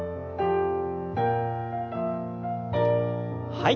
はい。